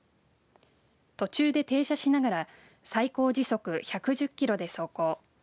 途中で停車しながら最高時速１１０キロで走行。